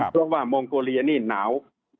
เพราะว่ามองโกเลียนี่หนาว